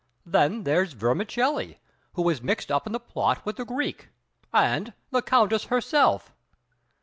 Then there's Vermicelli, who was mixed up in the plot with the Greek, and the Countess herself!"